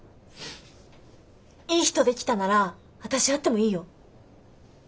いい人できたなら私会ってもいいよ。